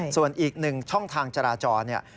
ส่วนอีกหนึ่งช่องทางจราจรเนี่ย